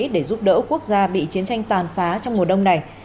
để giúp đỡ quốc gia bị chiến tranh tàn phá trong mùa đông này